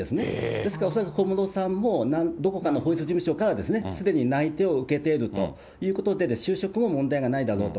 ですから、恐らく小室さんもどこかの法律事務所からすでに内定を受けているということで、就職も問題がないだろうと。